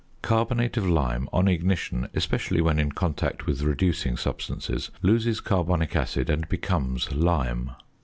Carbonate of lime on ignition, especially when in contact with reducing substances, loses carbonic acid, and becomes lime.